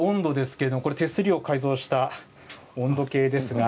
けれど手すりを改造した温度計です。